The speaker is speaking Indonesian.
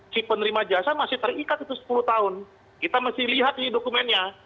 si penerima jasa masih terikat itu sepuluh tahun kita masih lihat ini dokumennya